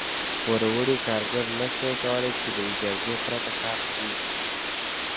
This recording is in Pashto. پوروړي کارګر نه شوای کولای چې له اجازې پرته کار پرېږدي.